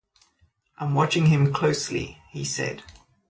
"I'm watching him closely" he said.